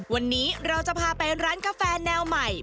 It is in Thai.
วันนี้เราจะพาไปร้านกาแฟแนวใหม่